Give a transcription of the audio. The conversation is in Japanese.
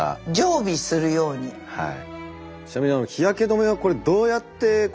はい。